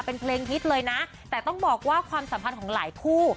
เป็นเพลงฮิตเลยนะแต่ต้องบอกว่าความสัมพันธ์ของหลายคู่